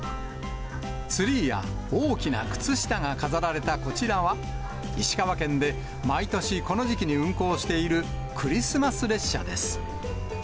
ツリーや大きな靴下が飾られたこちらは、石川県で毎年この時期に運行しているクリスマス列車です。